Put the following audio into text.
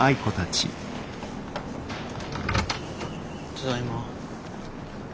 ただいま。